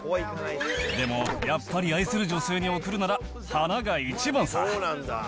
でも、やっぱり愛する女性に贈るなら花が一番さ。